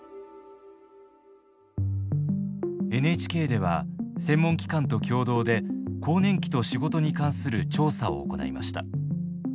ＮＨＫでは専門機関と共同で更年期と仕事に関する調査を行いました。